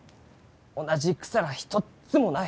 同じ草らあひとっつもない！